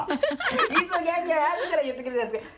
いつもギャンギャン後から言ってくるじゃないですか。